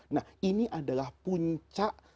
nah ini adalah puncak